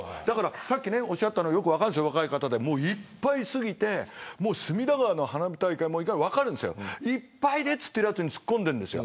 さっきおっしゃったのはよく分かるんですけどいっぱい過ぎて隅田川の花火大会も分かるんですけどいっぱいだと思ってるやつにツッコんでるんですよ。